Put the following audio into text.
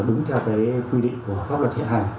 đúng theo cái quy định của pháp luật hiện hành